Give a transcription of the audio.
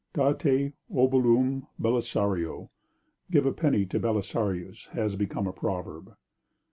"Date obolum Belisario," give a penny to Belisarius, has become a proverb.